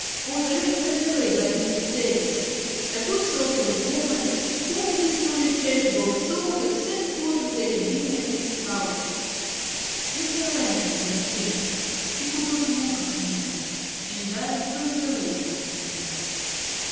] All the rest went away but a Mrs. Davis, a good sort of woman, whom this truly charitable soul had sent for to take a dinner at his house. [See ante, p. 239, note 2.] Mr. Langton then came. He could not look at me, and I turned away from him.